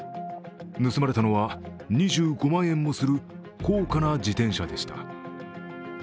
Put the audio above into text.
盗まれたのは２５万円もする高価な自転車でした。